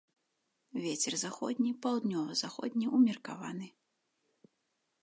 Вецер заходні, паўднёва-заходні ўмеркаваны.